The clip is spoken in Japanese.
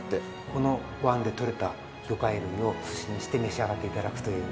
この湾で取れた魚介類をすしにして召し上がっていただくという。